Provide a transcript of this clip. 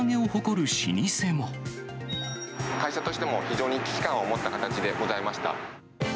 会社としても、非常に危機感を持った形でございました。